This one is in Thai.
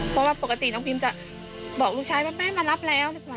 เพราะว่าปกติน้องพิมจะบอกลูกชายว่าแม่มารับแล้วดีกว่า